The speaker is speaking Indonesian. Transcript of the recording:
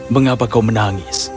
mengapa kau menangis